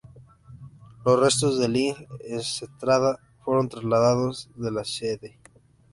Los restos del Ing. Estrada fueron trasladados de la Cd.